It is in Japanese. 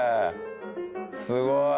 すごい。